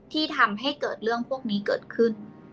ที่ทำให้เกิดเรื่องพวกนี้เกิดขึ้น